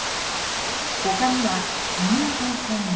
他には、こんな投稿も。